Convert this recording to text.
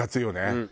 うん。